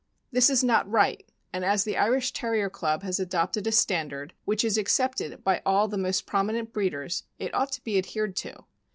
This is not right; and as the Irish Terrier CJub has adopted a standard, which is accepted by all the most prominent breeders, it ought to be adhered to.